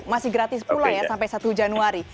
masih gratis pula ya sampai satu januari